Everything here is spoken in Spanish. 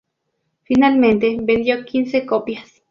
Finalmente vendió quince copias.